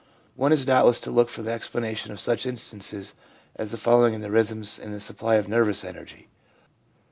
One is doubt less to look for the explanation of such instances as the following in the rhythms in the supply of nervous energy.